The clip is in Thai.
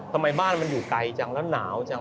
ทำไมบ้านมันอยู่ไกลจังแล้วหนาวจัง